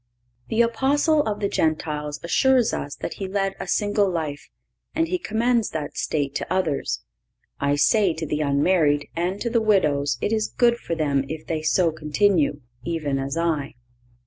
The Apostle of the Gentiles assures us that he led a single life, and he commends that state to others: "I say to the unmarried, and to the widows it is good for them if they so continue, even as I."